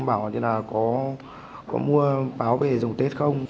bảo là có mua báo về dùng tết không